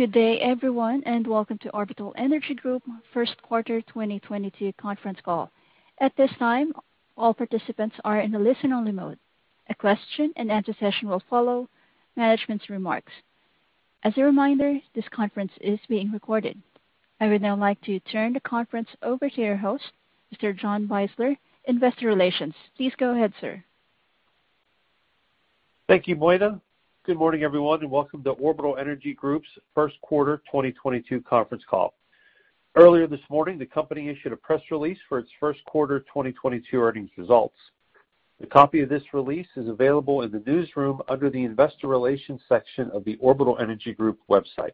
Good day, everyone, and welcome to Orbital Infrastructure Group first quarter 2022 conference call. At this time, all participants are in a listen-only mode. A question-and-answer session will follow management's remarks. As a reminder, this conference is being recorded. I would now like to turn the conference over to your host, Mr. John Beisler, Investor Relations. Please go ahead, sir. Thank you, Moira. Good morning, everyone, and welcome to Orbital Infrastructure Group's first quarter 2022 conference call. Earlier this morning, the company issued a press release for its first quarter 2022 earnings results. A copy of this release is available in the Newsroom under the Investor Relations section of the Orbital Infrastructure Group website.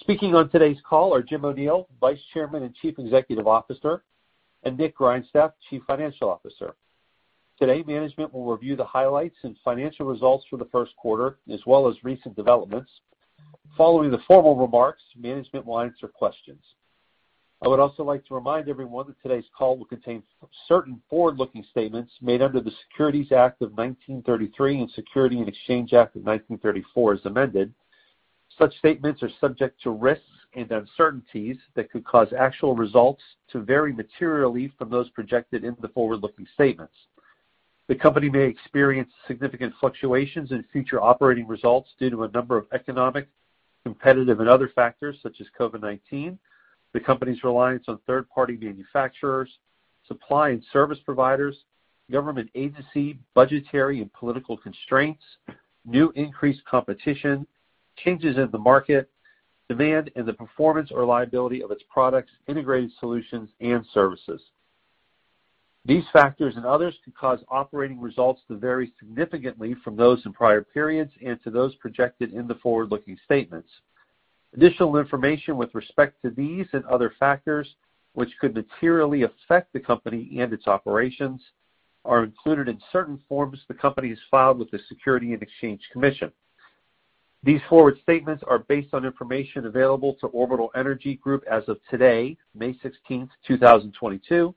Speaking on today's call are Jim O'Neil, Vice Chairman and Chief Executive Officer, and Nick Grindstaff, Chief Financial Officer. Today, management will review the highlights and financial results for the first quarter, as well as recent developments. Following the formal remarks, management will answer questions. I would also like to remind everyone that today's call will contain certain forward-looking statements made under the Securities Act of 1933 and Securities and Exchange Act of 1934 as amended. Such statements are subject to risks and uncertainties that could cause actual results to vary materially from those projected in the forward-looking statements. The company may experience significant fluctuations in future operating results due to a number of economic, competitive, and other factors, such as COVID-19, the company's reliance on third-party manufacturers, supply and service providers, government agency, budgetary and political constraints, new increased competition, changes in the market, demand in the performance or liability of its products, integrated solutions, and services. These factors and others could cause operating results to vary significantly from those in prior periods and to those projected in the forward-looking statements. Additional information with respect to these and other factors which could materially affect the company and its operations are included in certain forms the company has filed with the Securities and Exchange Commission. These forward-looking statements are based on information available to Orbital Infrastructure Group as of today, May 16th 2022,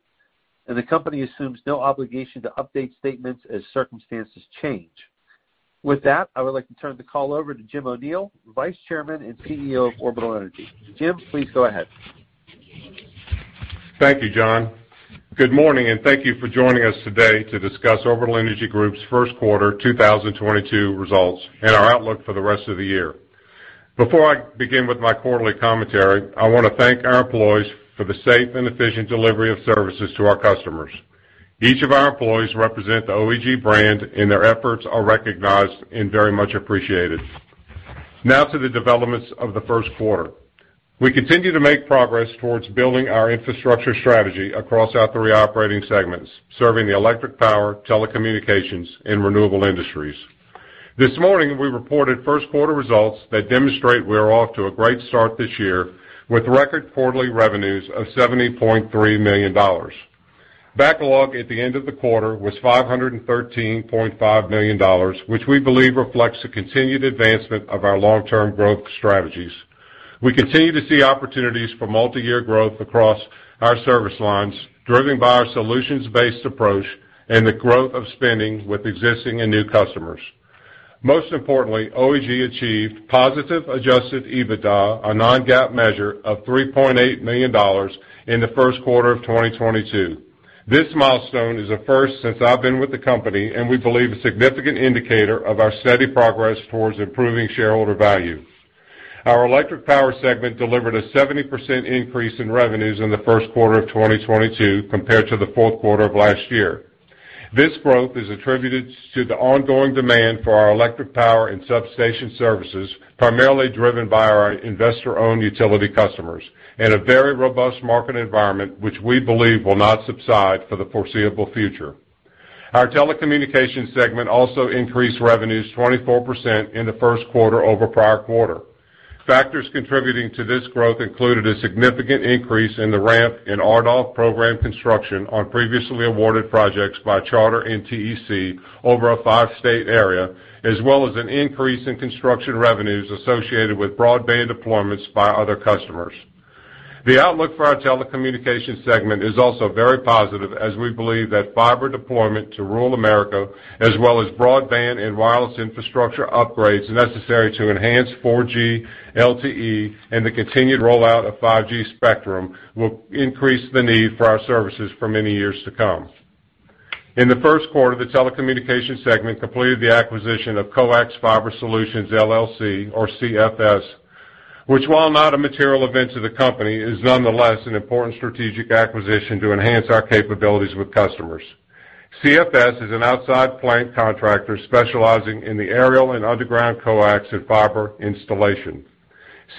and the company assumes no obligation to update statements as circumstances change. With that, I would like to turn the call over to Jim O'Neil, Vice Chairman and CEO of Orbital Infrastructure Group. Jim, please go ahead. Thank you, John. Good morning, and thank you for joining us today to discuss Orbital Energy Group's first quarter 2022 results and our outlook for the rest of the year. Before I begin with my quarterly commentary, I wanna thank our employees for the safe and efficient delivery of services to our customers. Each of our employees represent the OEG brand, and their efforts are recognized and very much appreciated. Now to the developments of the first quarter. We continue to make progress towards building our infrastructure strategy across our three operating segments, serving the electric power, telecommunications, and renewable industries. This morning, we reported first quarter results that demonstrate we're off to a great start this year with record quarterly revenues of $70.3 million. Backlog at the end of the quarter was $513.5 million, which we believe reflects the continued advancement of our long-term growth strategies. We continue to see opportunities for multiyear growth across our service lines, driven by our solutions-based approach and the growth of spending with existing and new customers. Most importantly, OEG achieved positive adjusted EBITDA, a non-GAAP measure of $3.8 million in the first quarter of 2022. This milestone is a first since I've been with the company, and we believe a significant indicator of our steady progress towards improving shareholder value. Our electric power segment delivered a 70% increase in revenues in the first quarter of 2022 compared to the fourth quarter of last year. This growth is attributed to the ongoing demand for our electric power and substation services, primarily driven by our investor-owned utility customers in a very robust market environment, which we believe will not subside for the foreseeable future. Our telecommunications segment also increased revenues 24% in the first quarter over prior quarter. Factors contributing to this growth included a significant increase in the ramp in RDOF program construction on previously awarded projects by Charter and TEC over a five-state area, as well as an increase in construction revenues associated with broadband deployments by other customers. The outlook for our telecommunications segment is also very positive as we believe that fiber deployment to rural America as well as broadband and wireless infrastructure upgrades necessary to enhance 4G LTE and the continued rollout of 5G spectrum will increase the need for our services for many years to come. In the first quarter, the telecommunications segment completed the acquisition of Coax Fiber Solutions, LLC, or CFS, which, while not a material event to the company, is nonetheless an important strategic acquisition to enhance our capabilities with customers. CFS is an outside plant contractor specializing in the aerial and underground coax and fiber installation.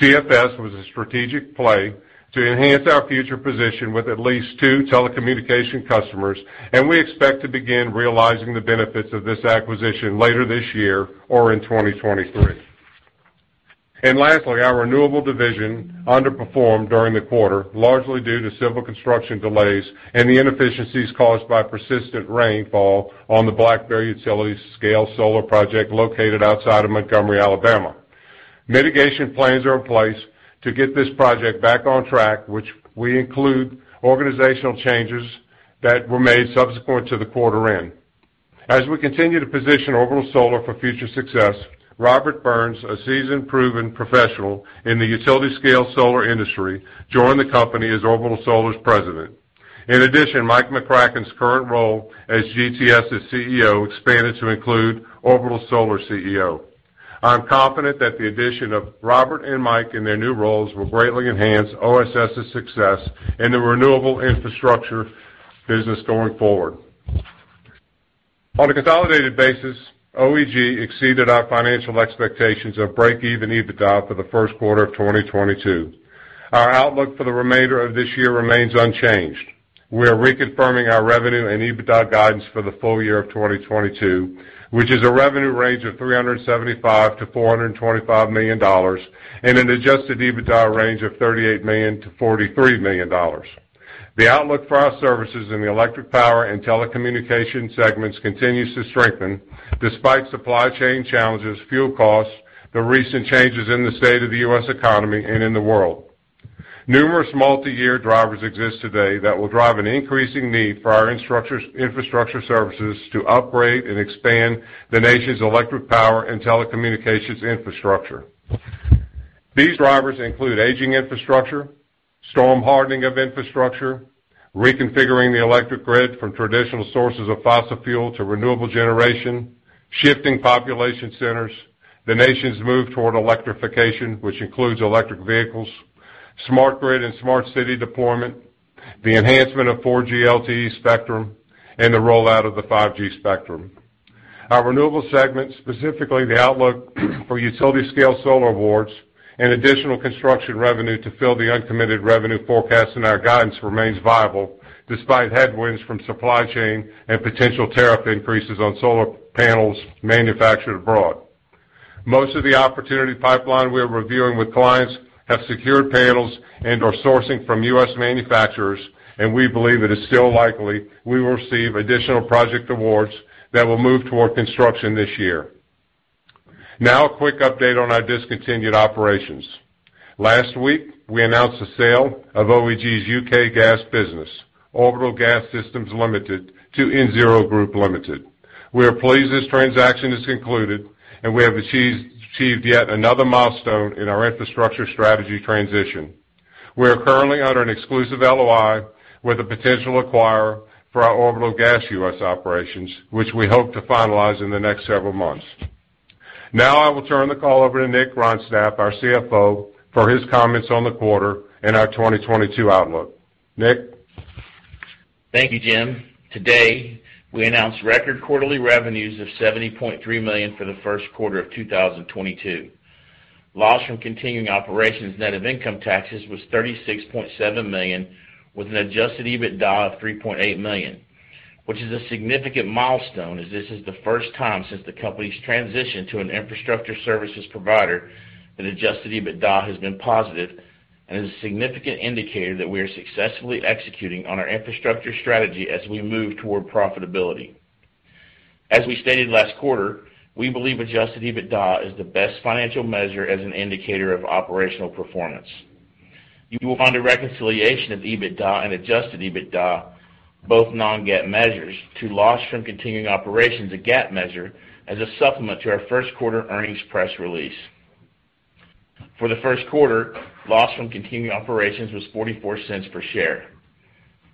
CFS was a strategic play to enhance our future position with at least two telecommunication customers, and we expect to begin realizing the benefits of this acquisition later this year or in 2023. Lastly, our renewable division underperformed during the quarter, largely due to civil construction delays and the inefficiencies caused by persistent rainfall on the Black Bear utility-scale solar project located outside of Montgomery, Alabama. Mitigation plans are in place to get this project back on track, which include organizational changes that were made subsequent to the quarter end. As we continue to position Orbital Solar for future success, Robert Burns, a seasoned, proven professional in the utility-scale solar industry, joined the company as Orbital Solar's President. In addition, Mike Bishop's current role as GTS's CEO expanded to include Orbital Solar's CEO. I'm confident that the addition of Robert and Mike in their new roles will greatly enhance OSS's success in the renewable infrastructure business going forward. On a consolidated basis, OEG exceeded our financial expectations of break-even EBITDA for the first quarter of 2022. Our outlook for the remainder of this year remains unchanged. We are reconfirming our revenue and EBITDA guidance for the full year of 2022, which is a revenue range of $375 million-$425 million and an adjusted EBITDA range of $38 million-$43 million. The outlook for our services in the electric power and telecommunications segments continues to strengthen despite supply chain challenges, fuel costs, the recent changes in the state of the U.S. economy and in the world. Numerous multiyear drivers exist today that will drive an increasing need for our infrastructure services to upgrade and expand the nation's electric power and telecommunications infrastructure. These drivers include aging infrastructure, storm hardening of infrastructure, reconfiguring the electric grid from traditional sources of fossil fuel to renewable generation, shifting population centers, the nation's move toward electrification, which includes electric vehicles, smart grid and smart city deployment, the enhancement of 4G LTE spectrum, and the rollout of the 5G spectrum. Our renewable segment, specifically the outlook for utility scale solar awards and additional construction revenue to fill the uncommitted revenue forecast in our guidance remains viable despite headwinds from supply chain and potential tariff increases on solar panels manufactured abroad. Most of the opportunity pipeline we are reviewing with clients have secured panels and are sourcing from U.S. manufacturers, and we believe it is still likely we will receive additional project awards that will move toward construction this year. Now a quick update on our discontinued operations. Last week, we announced the sale of OEG's U.K. gas business, Orbital Gas Systems Limited, to nZERO Group Limited. We are pleased this transaction is concluded, and we have achieved yet another milestone in our infrastructure strategy transition. We are currently under an exclusive LOI with a potential acquirer for our Orbital Gas U.S. operations, which we hope to finalize in the next several months. Now I will turn the call over to Nick Grindstaff, our CFO, for his comments on the quarter and our 2022 outlook. Nick? Thank you, Jim. Today, we announced record quarterly revenues of $70.3 million for the first quarter of 2022. Loss from continuing operations net of income taxes was $36.7 million, with an adjusted EBITDA of $3.8 million, which is a significant milestone as this is the first time since the company's transition to an infrastructure services provider that adjusted EBITDA has been positive and is a significant indicator that we are successfully executing on our infrastructure strategy as we move toward profitability. As we stated last quarter, we believe adjusted EBITDA is the best financial measure as an indicator of operational performance. You will find a reconciliation of EBITDA and adjusted EBITDA, both non-GAAP measures, to loss from continuing operations, a GAAP measure, as a supplement to our first quarter earnings press release. For the first quarter, loss from continuing operations was $0.44 per share.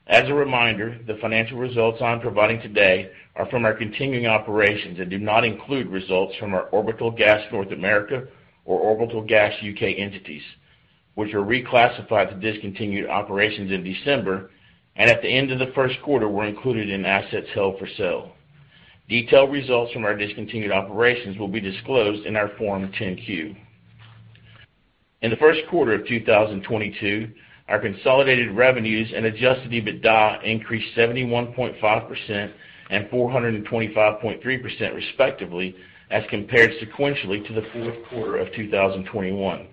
As a reminder, the financial results I'm providing today are from our continuing operations and do not include results from our Orbital Gas North America or Orbital Gas U.K. entities, which were reclassified to discontinued operations in December and at the end of the first quarter were included in assets held for sale. Detailed results from our discontinued operations will be disclosed in our Form 10-Q. In the first quarter of 2022, our consolidated revenues and adjusted EBITDA increased 71.5% and 425.3%, respectively, as compared sequentially to the fourth quarter of 2021.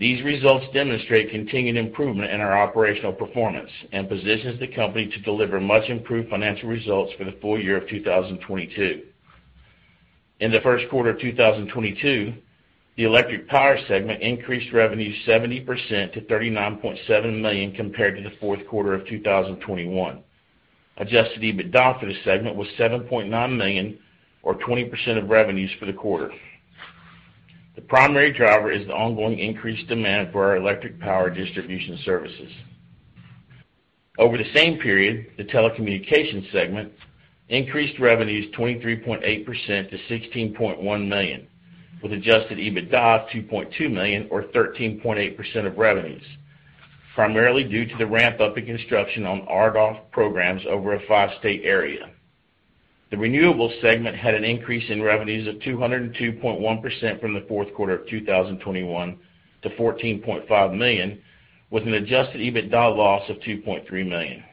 These results demonstrate continued improvement in our operational performance and positions the company to deliver much improved financial results for the full year of 2022. In the first quarter of 2022, the electric power segment increased revenue 70% to $39.7 million compared to the fourth quarter of 2021. Adjusted EBITDA for this segment was $7.9 million or 20% of revenues for the quarter. The primary driver is the ongoing increased demand for our electric power distribution services. Over the same period, the telecommunications segment increased revenues 23.8% to $16.1 million with adjusted EBITDA of $2.2 million or 13.8% of revenues, primarily due to the ramp-up in construction on RDOF programs over a five-state area. The renewables segment had an increase in revenues of 202.1% from the fourth quarter of 2021 to $14.5 million, with an adjusted EBITDA loss of $2.3 million.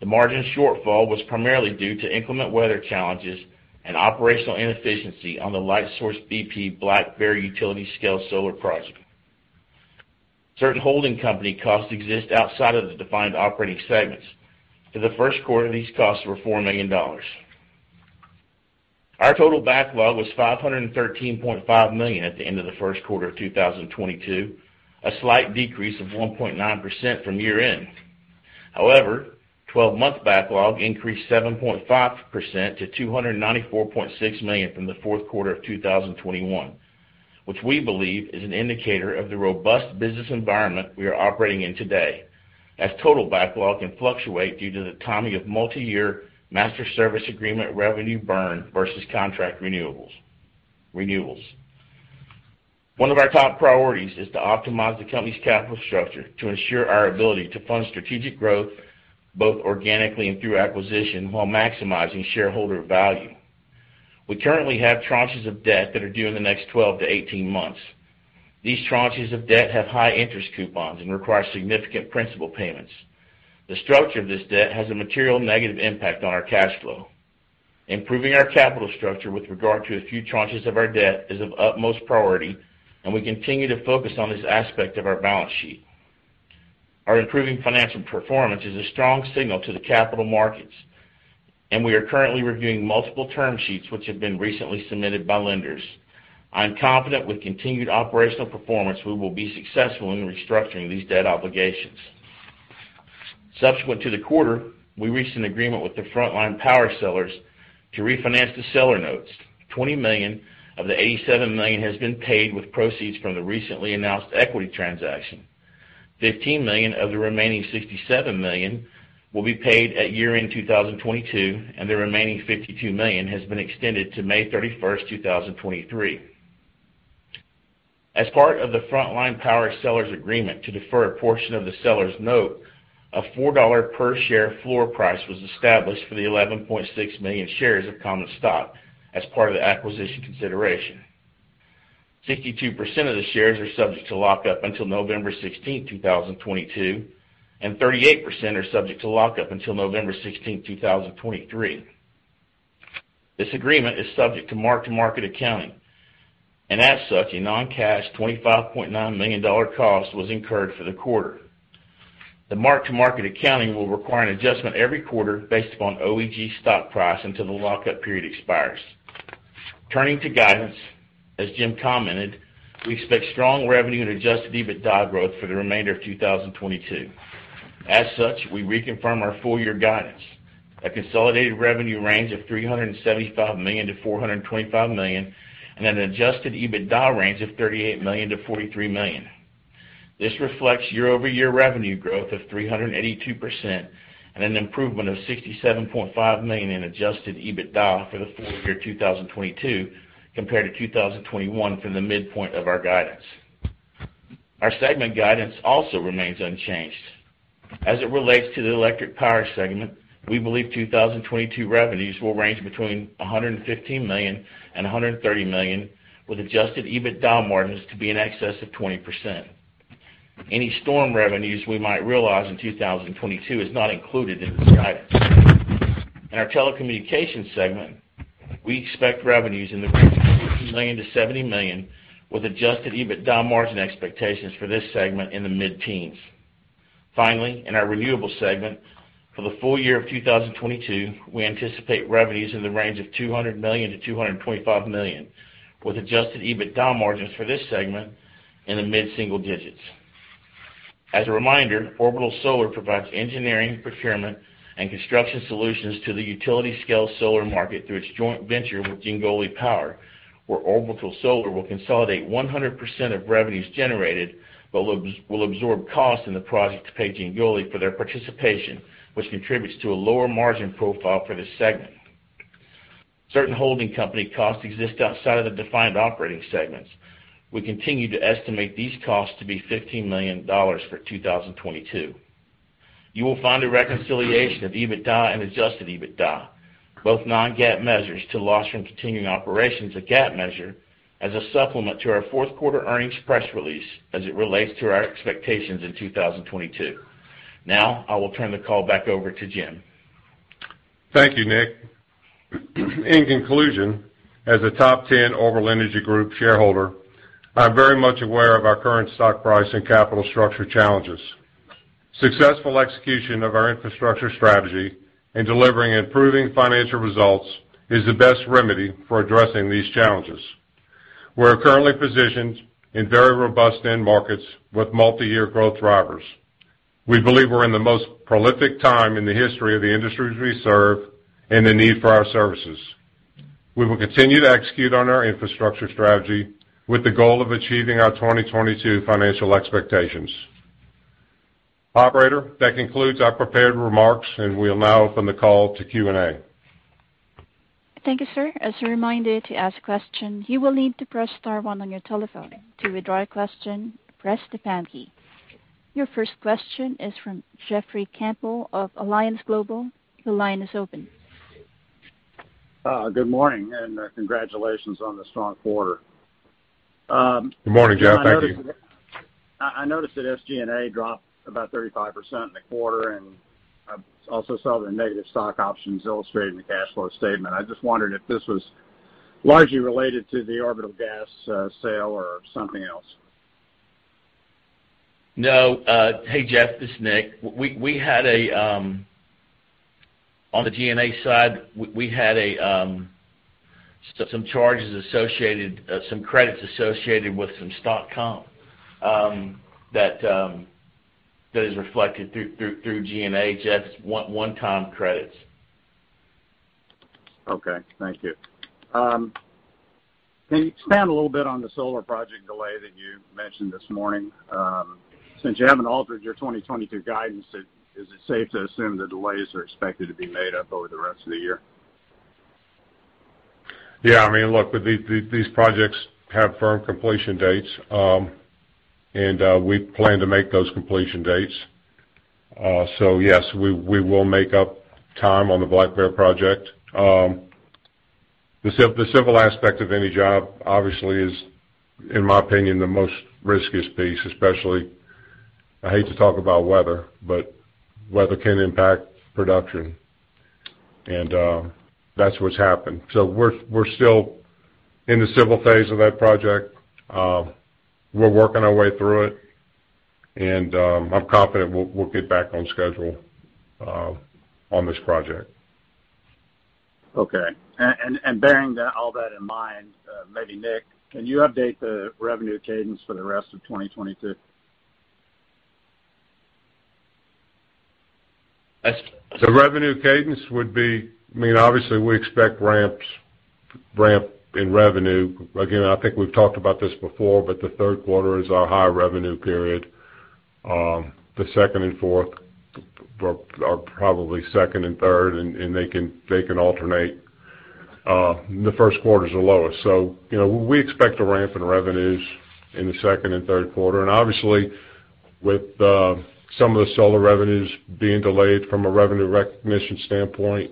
The margin shortfall was primarily due to inclement weather challenges and operational inefficiency on the Lightsource BP Black Bear utility-scale solar project. Certain holding company costs exist outside of the defined operating segments. In the first quarter, these costs were $4 million. Our total backlog was $513.5 million at the end of the first quarter of 2022, a slight decrease of 1.9% from year-end. However, 12-month backlog increased 7.5% to $294.6 million from the fourth quarter of 2021, which we believe is an indicator of the robust business environment we are operating in today, as total backlog can fluctuate due to the timing of multi-year master service agreement revenue burn versus contract renewals. One of our top priorities is to optimize the company's capital structure to ensure our ability to fund strategic growth, both organically and through acquisition, while maximizing shareholder value. We currently have tranches of debt that are due in the next 12 to 18 months. These tranches of debt have high interest coupons and require significant principal payments. The structure of this debt has a material negative impact on our cash flow. Improving our capital structure with regard to a few tranches of our debt is of utmost priority, and we continue to focus on this aspect of our balance sheet. Our improving financial performance is a strong signal to the capital markets, and we are currently reviewing multiple term sheets which have been recently submitted by lenders. I'm confident with continued operational performance, we will be successful in restructuring these debt obligations. Subsequent to the quarter, we reached an agreement with the Front Line Power sellers to refinance the seller notes. $20 million of the $87 million has been paid with proceeds from the recently announced equity transaction. $15 million of the remaining $67 million will be paid at year-end 2022, and the remaining $52 million has been extended to May 31st, 2023. As part of the Front Line Power sellers' agreement to defer a portion of the seller's note, a $4 per share floor price was established for the 11.6 million shares of common stock as part of the acquisition consideration. 62% of the shares are subject to lock up until November 16th, 2022, and 38% are subject to lock up until November 16th, 2023. This agreement is subject to mark-to-market accounting, and as such, a non-cash $25.9 million cost was incurred for the quarter. The mark-to-market accounting will require an adjustment every quarter based upon OEG stock price until the lock-up period expires. Turning to guidance, as Jim commented, we expect strong revenue and adjusted EBITDA growth for the remainder of 2022. As such, we reconfirm our full year guidance, a consolidated revenue range of $375 million-$425 million, and an adjusted EBITDA range of $38 million-$43 million. This reflects year-over-year revenue growth of 382% and an improvement of $67.5 million in adjusted EBITDA for the full year 2022 compared to 2021 from the midpoint of our guidance. Our segment guidance also remains unchanged. As it relates to the electric power segment, we believe 2022 revenues will range between $115 million and $130 million, with adjusted EBITDA margins to be in excess of 20%. Any storm revenues we might realize in 2022 is not included in this guidance. In our telecommunications segment, we expect revenues in the range of $60 million to $70 million, with adjusted EBITDA margin expectations for this segment in the mid-teens. Finally, in our renewables segment, for the full year of 2022, we anticipate revenues in the range of $200 million to $225 million, with adjusted EBITDA margins for this segment in the mid-single digits. As a reminder, Orbital Solar provides engineering, procurement, and construction solutions to the utility-scale solar market through its joint venture with Jingoli Power, where Orbital Solar will consolidate 100% of revenues generated, but will absorb costs in the project to pay Jingoli for their participation, which contributes to a lower margin profile for this segment. Certain holding company costs exist outside of the defined operating segments. We continue to estimate these costs to be $15 million for 2022. You will find a reconciliation of EBITDA and adjusted EBITDA, both non-GAAP measures to loss from continuing operations, a GAAP measure, as a supplement to our fourth quarter earnings press release as it relates to our expectations in 2022. Now, I will turn the call back over to Jim. Thank you, Nick. In conclusion, as a top 10 Orbital Infrastructure Group shareholder, I'm very much aware of our current stock price and capital structure challenges. Successful execution of our infrastructure strategy and delivering improving financial results is the best remedy for addressing these challenges. We're currently positioned in very robust end markets with multi-year growth drivers. We believe we're in the most prolific time in the history of the industries we serve and the need for our services. We will continue to execute on our infrastructure strategy with the goal of achieving our 2022 financial expectations. Operator, that concludes our prepared remarks, and we'll now open the call to Q&A. Thank you, sir. As a reminder, to ask a question, you will need to press star one on your telephone. To withdraw your question, press the pound key. Your first question is from Jeffrey Campbell of Alliance Global Partners. The line is open. Good morning, and congratulations on the strong quarter. Good morning, Jeff. Thank you. I noticed that SG&A dropped about 35% in the quarter, and I also saw the negative stock options illustrated in the cash flow statement. I just wondered if this was largely related to the Orbital Gas sale or something else? Hey, Jeff, this is Nick. On the G&A side, we had some credits associated with some stock comp that is reflected through G&A. That's one-time credits. Okay. Thank you. Can you expand a little bit on the solar project delay that you mentioned this morning? Since you haven't altered your 2022 guidance, is it safe to assume the delays are expected to be made up over the rest of the year? Yeah. I mean, look, these projects have firm completion dates, and we plan to make those completion dates. Yes, we will make up time on the Black Bear project. The civil aspect of any job obviously is, in my opinion, the most riskiest piece, especially. I hate to talk about weather, but weather can impact production and, that's what's happened. We're still in the civil phase of that project. We're working our way through it, and I'm confident we'll get back on schedule on this project. Okay. Bearing that all that in mind, maybe Nick, can you update the revenue cadence for the rest of 2022? The revenue cadence would be. I mean, obviously, we expect ramp in revenue. Again, I think we've talked about this before, but the third quarter is our high revenue period. The second and fourth are probably second and third, and they can alternate. The first quarter's the lowest. You know, we expect to ramp in revenues in the second and third quarter. Obviously, with some of the solar revenues being delayed from a revenue recognition standpoint,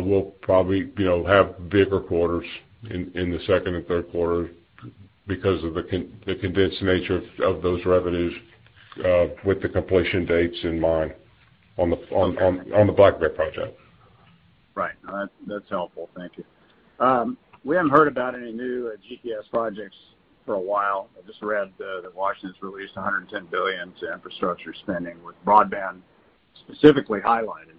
we'll probably have bigger quarters in the second and third quarter because of the condensed nature of those revenues, with the completion dates in mind. Okay. On the Black Bear project. Right. No, that's helpful. Thank you. We haven't heard about any new GTS projects for a while. I just read that Washington's released $110 billion to infrastructure spending, with broadband specifically highlighted.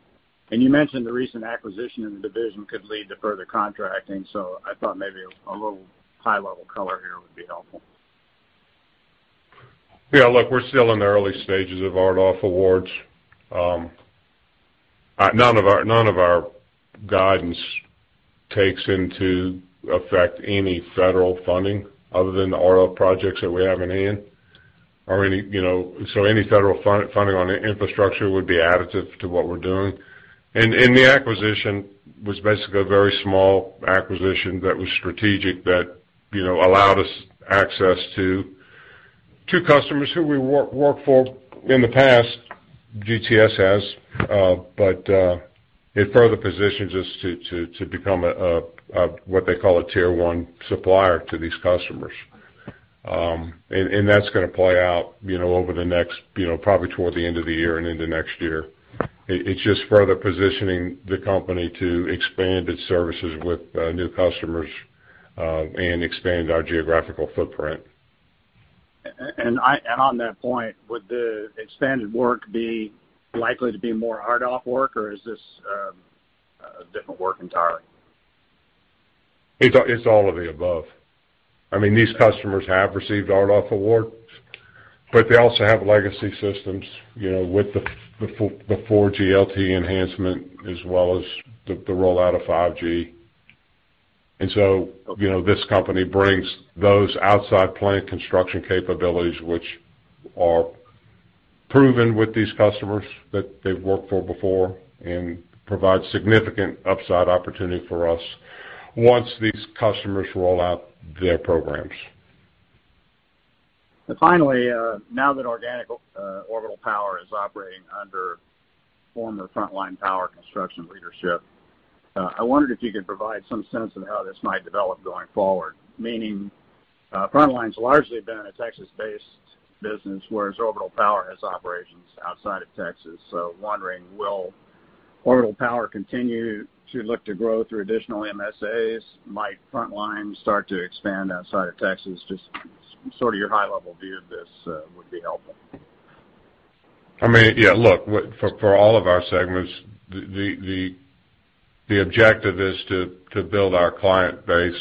You mentioned the recent acquisition in the division could lead to further contracting, so I thought maybe a little high-level color here would be helpful. Yeah. Look, we're still in the early stages of RDOF awards. None of our guidance takes into effect any federal funding other than the RL projects that we have in hand or any, you know. Any federal funding on infrastructure would be additive to what we're doing. The acquisition was basically a very small acquisition that was strategic that, you know, allowed us access to customers who we worked for in the past, GTS has. It further positions us to become a what they call a tier one supplier to these customers. That's gonna play out, you know, over the next, you know, probably toward the end of the year and into next year. It's just further positioning the company to expand its services with new customers and expand our geographical footprint. On that point, would the expanded work be likely to be more RDOF work, or is this a different work entirely? It's all of the above. I mean, these customers have received RDOF awards, but they also have legacy systems, you know, with the 4G LTE enhancement as well as the rollout of 5G. You know, this company brings those outside plant construction capabilities, which are proven with these customers that they've worked for before and provide significant upside opportunity for us once these customers roll out their programs. Now that Orbital Power is operating under former Front Line Power Construction leadership, I wondered if you could provide some sense of how this might develop going forward, meaning, Front Line's largely been a Texas-based business, whereas Orbital Power has operations outside of Texas. Wondering, will Orbital Power continue to look to grow through additional MSAs? Might Front Line start to expand outside of Texas? Just sort of your high-level view of this would be helpful. I mean, yeah, look, for all of our segments, the objective is to build our client base.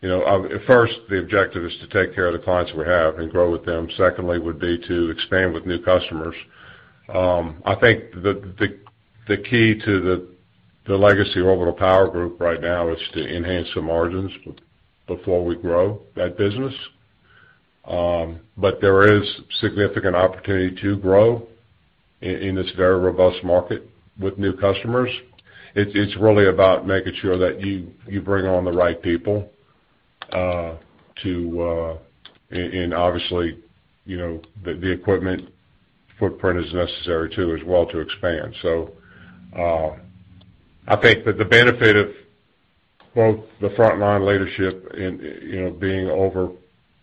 You know, first, the objective is to take care of the clients we have and grow with them. Secondly, would be to expand with new customers. I think the key to the legacy Orbital Power Group right now is to enhance the margins before we grow that business. There is significant opportunity to grow in this very robust market with new customers. It's really about making sure that you bring on the right people to expand. Obviously, you know, the equipment footprint is necessary too, as well, to expand. I think that the benefit of both the Front Line leadership and, you know, being over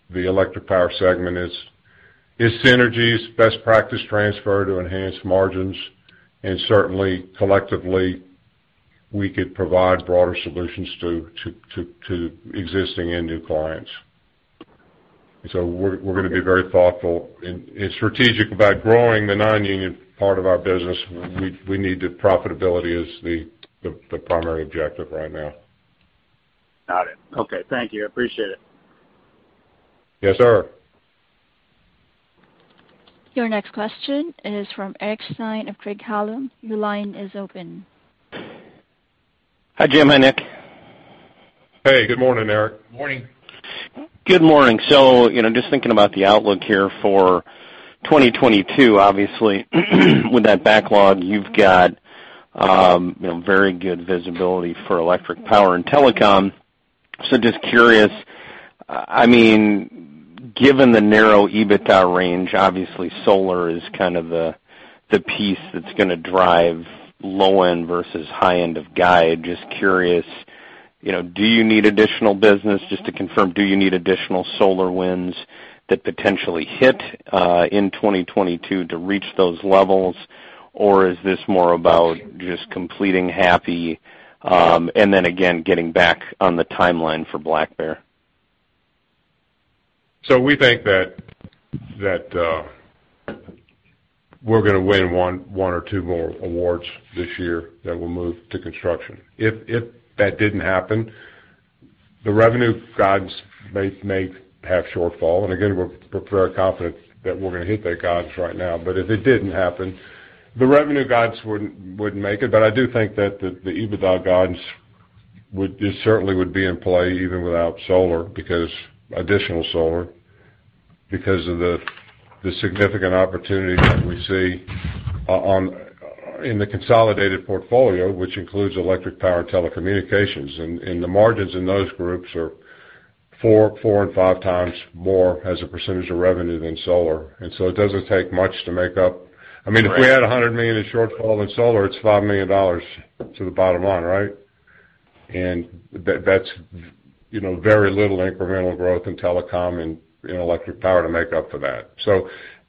the electric power segment is synergies, best practice transfer to enhance margins. Certainly, collectively, we could provide broader solutions to existing and new clients. We're gonna be very thoughtful and strategic about growing the non-union part of our business. We need the profitability as the primary objective right now. Got it. Okay. Thank you. I appreciate it. Yes, sir. Your next question is from Eric Stine of Craig-Hallum. Your line is open. Hi, Jim. Hi, Nick. Hey, good morning, Eric. Morning. Good morning. You know, just thinking about the outlook here for 2022. Obviously, with that backlog, you've got, you know, very good visibility for electric power and telecom. Just curious, I mean, given the narrow EBITDA range, obviously solar is kind of the piece that's gonna drive low end versus high end of guide. Just curious, you know, do you need additional business? Just to confirm, do you need additional solar wins that potentially hit in 2022 to reach those levels? Or is this more about just completing Happy and then again, getting back on the timeline for Black Bear? We think that we're gonna win one or two more awards this year that will move to construction. If that didn't happen, the revenue guides may have shortfall. Again, we're very confident that we're gonna hit that guides right now, but if it didn't happen, the revenue guides wouldn't make it. I do think that the EBITDA guides would be in play even without solar because of the significant opportunity that we see in the consolidated portfolio, which includes electric power and telecommunications. The margins in those groups are four and five times more as a percentage of revenue than solar. It doesn't take much to make up. I mean, if we had $100 million in shortfall in solar, it's $5 million to the bottom line, right? That's, you know, very little incremental growth in telecom and in electric power to make up for that.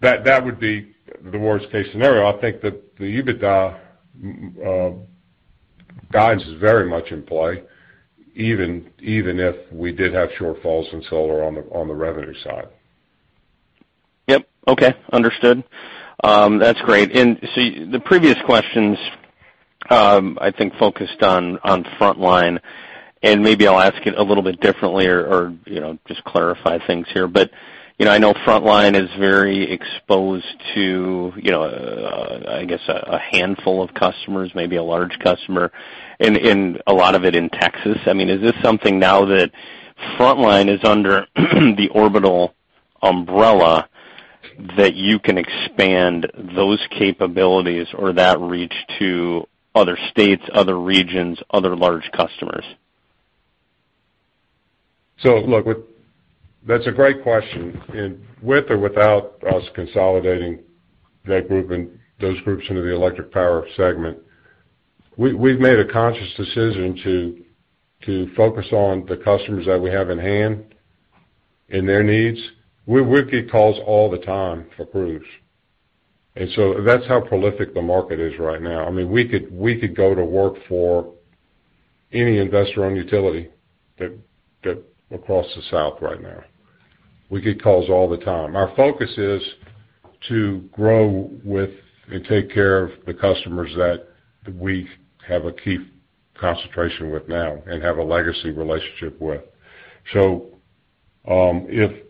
That would be the worst-case scenario. I think that the EBITDA guides is very much in play even if we did have shortfalls in solar on the revenue side. Yep. Okay. Understood. That's great. The previous questions, I think focused on Front Line, and maybe I'll ask it a little bit differently, you know, just clarify things here. You know, I know Front Line is very exposed to, you know, I guess a handful of customers, maybe a large customer and a lot of it in Texas. I mean, is this something now that Front Line is under the Orbital umbrella that you can expand those capabilities or that reach to other states, other regions, other large customers? That's a great question. With or without us consolidating that group and those groups into the electric power segment, we've made a conscious decision to focus on the customers that we have in hand and their needs. We get calls all the time for crews, and so that's how prolific the market is right now. I mean, we could go to work for any investor on utility that across the South right now. We get calls all the time. Our focus is to grow with and take care of the customers that we have a key concentration with now and have a legacy relationship with. If,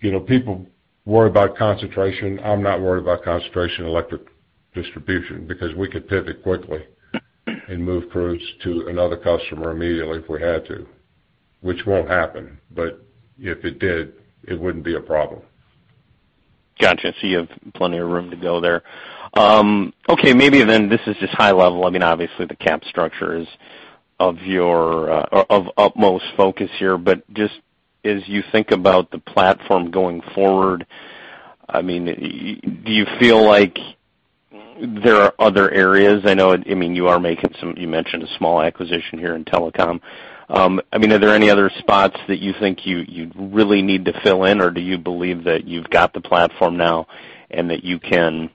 you know, people worry about concentration, I'm not worried about concentration in electric distribution because we could pivot quickly and move crews to another customer immediately if we had to, which won't happen, but if it did, it wouldn't be a problem. Gotcha. You have plenty of room to go there. Okay, maybe then this is just high level. I mean, obviously the capital structure is of yours, or of utmost focus here, but just as you think about the platform going forward, I mean, do you feel like there are other areas? I mean, you are making some. You mentioned a small acquisition here in telecom. I mean, are there any other spots that you think you really need to fill in, or do you believe that you've got the platform now and that you can,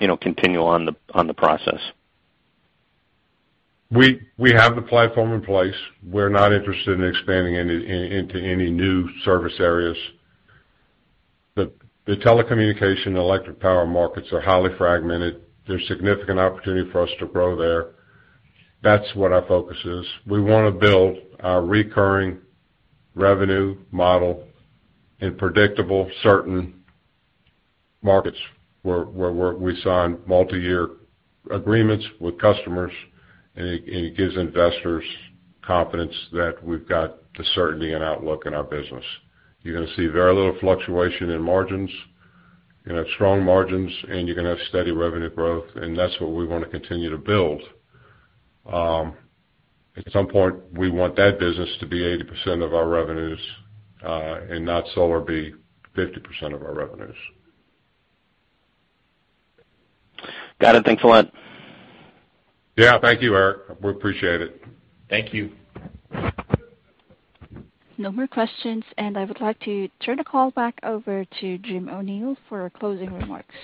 you know, continue on the process? We have the platform in place. We're not interested in expanding into any new service areas. The telecommunication and electric power markets are highly fragmented. There's significant opportunity for us to grow there. That's what our focus is. We wanna build a recurring revenue model in predictable, certain markets where we sign multiyear agreements with customers, and it gives investors confidence that we've got the certainty and outlook in our business. You're gonna see very little fluctuation in margins. You're gonna have strong margins, and you're gonna have steady revenue growth, and that's what we wanna continue to build. At some point, we want that business to be 80% of our revenues, and not solar be 50% of our revenues. Got it. Thanks a lot. Yeah. Thank you, Eric. We appreciate it. Thank you. No more questions, and I would like to turn the call back over to Jim O'Neil for closing remarks.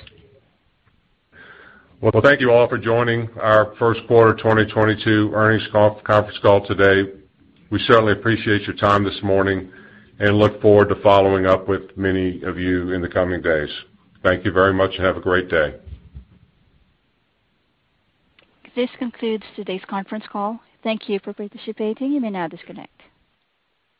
Well, thank you all for joining our first quarter 2022 earnings conference call today. We certainly appreciate your time this morning and look forward to following up with many of you in the coming days. Thank you very much and have a great day. This concludes today's conference call. Thank you for participating. You may now disconnect.